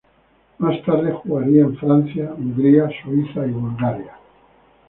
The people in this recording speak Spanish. Más tarde, jugaría en Francia, Hungría, Suiza y Bulgaria.